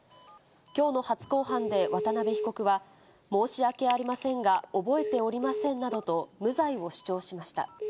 きょうの初公判で、渡部被告は申し訳ありませんが、覚えておりませんなどと、無罪を主張しました。